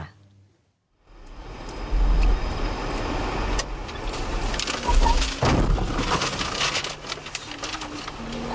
อะไรคะแม่